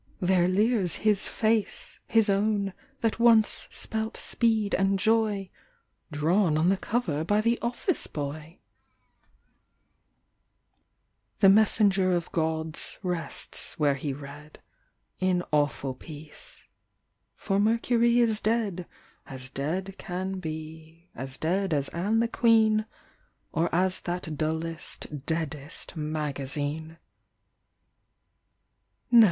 there leers 61 His face, his own, that once spelt speed and joy — ^^Drawn on the cover by the office boy !!#:»=## The Messenger of Gods rests where he read, In awful peace. For Mercury is dead, As dead can be, as dead as Anne the Queen, — 'Or as that dullest, deadest magazine